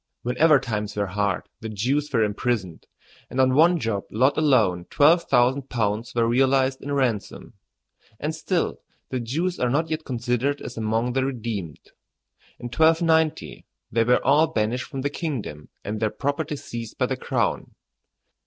Whenever times were hard the Jews were imprisoned, and on one job lot alone twelve thousand pounds were realized in ransom. And still the Jews are not yet considered as among the redeemed. In 1290 they were all banished from the kingdom and their property seized by the crown.